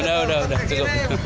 udah udah udah cukup